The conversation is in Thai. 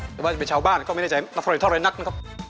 แต่ว่าจะเป็นชาวบ้านก็ไม่ได้ใจเท่านั้นครับ